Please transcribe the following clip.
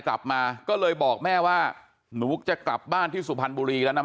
กลับมาก็เลยบอกแม่ว่าหนูจะกลับบ้านที่สุพรรณบุรีแล้วนะ